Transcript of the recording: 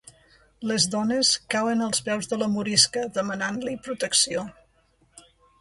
Les dones cauen als peus de la morisca demanant-li protecció.